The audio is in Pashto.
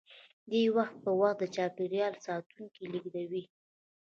دوی وخت په وخت د چاپیریال ساتونکي لیږدوي